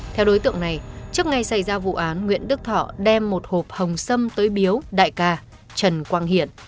theo đối tượng này trước ngày xảy ra vụ án nguyễn đức thọ đem một hộp hồng sâm tới biếu đại ca trần quang hiện